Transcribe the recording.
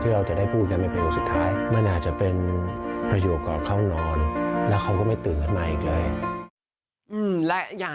เราไม่รู้หรอกนะคะว่า